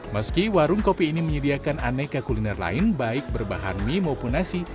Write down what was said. meski warung kopi ini menyediakan aneka kuliner lain baik berbahan mie maupun nasi